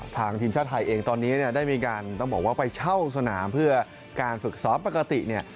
ทางทีมชาติไทยเองตอนนี้เนี่ยได้มีการต้องบอกว่าไปเช่าสนามเพื่อการฝึกซ้อมปกติเนี่ย